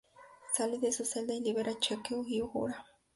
Sale de su celda y libera a Chekov y Uhura.